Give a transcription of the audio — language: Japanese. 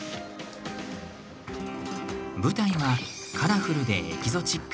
舞台はカラフルでエキゾチック！